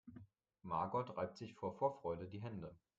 Margot reibt sich vor Vorfreude die Hände.